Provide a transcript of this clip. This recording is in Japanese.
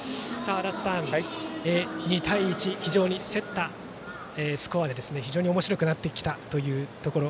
足達さん、２対１非常に競ったスコアでおもしろくなってきたところ。